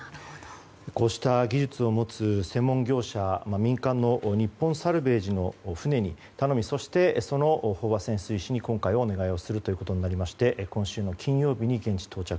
こうした技術を持つ専門業者民間の日本サルヴェージの船に頼みそして、その飽和潜水士に今回お願いすることになりまして今週金曜日に現地到着。